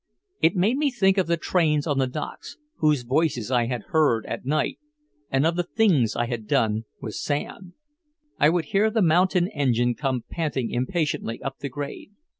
It made me think of the trains on the docks, whose voices I had heard at night, and of the things I had done with Sam. I would hear the mountain engine come panting impatiently up the grade.